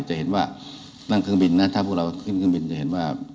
จะเห็นว่านั่งเครื่องบินนะถ้าพวกเราขึ้นเครื่องบินจะเห็นว่า